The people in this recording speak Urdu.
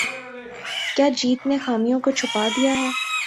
کیا جیت نے خامیوں کو چھپا دیا ہے